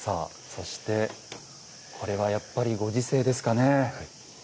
そして、やっぱりご時世ですかね。